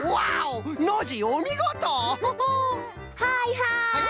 はいはい！